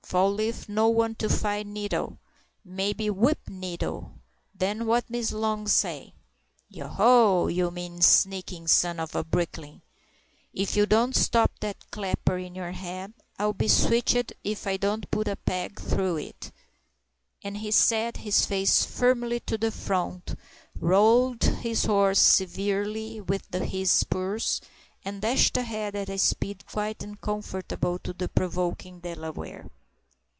"Fall leaf no want to fight Nettle. Maybe whip Nettle—den what Miss Long say?" "Yoh—yoh! you mean, sneakin' son of a brick kiln! Ef you don't stop that clapper in your head, I'll be switched ef I don't put a peg through it!" And he set his face firmly to the front, roweled the horse severely with his spurs, and dashed ahead at a speed quite uncomfortable to the provoking Delaware.